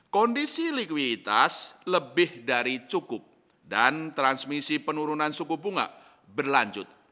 kondisi likuiditas lebih dari cukup dan transmisi penurunan suku bunga berlanjut